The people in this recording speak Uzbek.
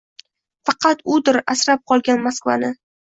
Faqat udir asrab qolgan Moskvani —